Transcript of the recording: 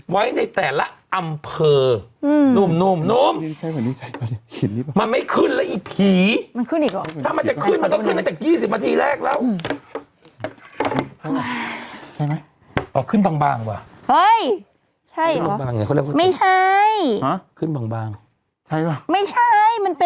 ไว้ในแต่ละอำเภอ